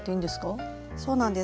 そうなんです。